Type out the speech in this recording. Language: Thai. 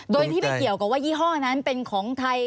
โดยที่ไม่เกี่ยวกับว่ายี่ห้อนั้นเป็นของไทย